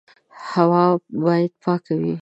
هوا باید پاکه وي.